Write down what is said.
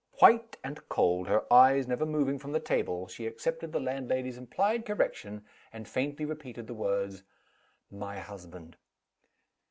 White and cold, her eyes never moving from the table, she accepted the landlady's implied correction, and faintly repeated the words: "My husband."